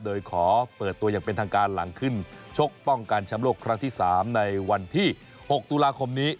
โดยขอเปิดตัวอย่างเป็นทางการหลังขึ้นชกป้องกันแชมป์โลกครั้งที่๓ในวันที่๖ตุลาคมนี้